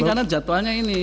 ini karena jatuhannya ini